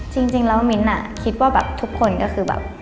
จริงแล้วมิ้นท์คิดว่าแบบทุกคนก็คือแบบ